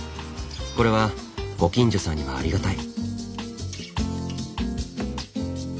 これはご近所さんにはありがたい。